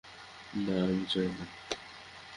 না, আমি চাই নি।